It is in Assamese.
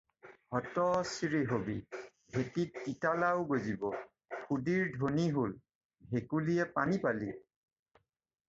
হতচিৰী হ'বি, ভেটিত তিতা লাও গজিব, শূদিৰ ধনী হ'ল, ভেকুলীয়ে পানী পালি।